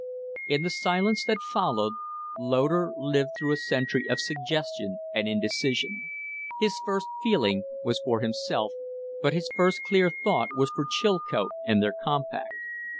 In the silence that followed, Loder lived through a century of suggestion and indecision. His first feeling was for himself, but his first clear thought was for Chilcote and their compact.